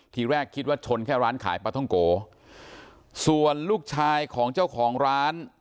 ทีแรกคิดว่าชนแค่ร้านขายปลาท่องโกส่วนลูกชายของเจ้าของร้าน